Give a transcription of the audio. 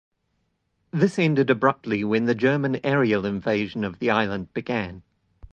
This ended abruptly when the German aerial invasion of the island began.